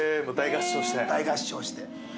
大合唱して。